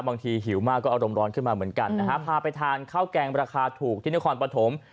หิวมากก็อารมณ์ร้อนขึ้นมาเหมือนกันนะฮะพาไปทานข้าวแกงราคาถูกที่นครปฐม